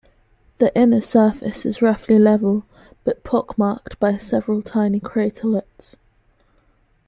The inner surface is roughly level, but pock-marked by several tiny craterlets.